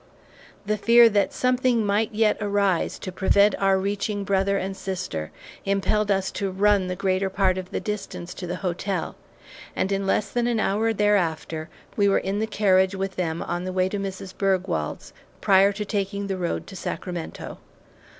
The fear that something might yet arise to prevent our reaching brother and sister impelled us to run the greater part of the distance to the hotel, and in less than an hour thereafter, we were in the carriage with them on the way to Mrs. Bergwald's, prior to taking the road to Sacramento.